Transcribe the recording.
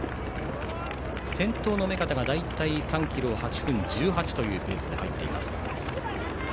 先頭の目片が大体３分１８というペースで入っています。